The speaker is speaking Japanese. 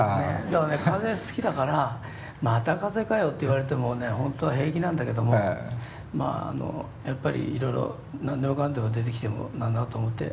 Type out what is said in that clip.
だからね風好きだからまた風かよって言われてもね本当は平気なんだけどもまあやっぱりいろいろ何でもかんでも出てきても何だなと思って。